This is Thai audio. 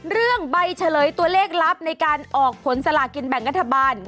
เรื่องใบเฉลยตัวเลขลับในการออกผลสลากินแบ่งรัฐบาล